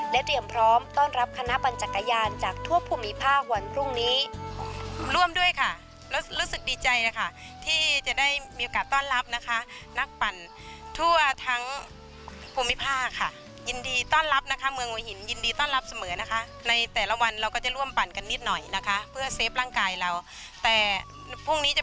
และเตรียมพร้อมต้อนรับคณะปัญจักรยานจากทั่วภูมิภาควันพรุ่งนี้